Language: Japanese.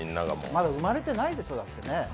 まだ生まれてないでしょ、だって。